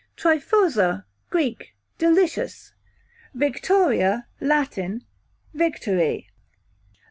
Tryphosa, Greek, delicious. Victoria, Latin, victory.